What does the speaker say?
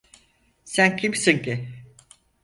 Sen kimsin ki?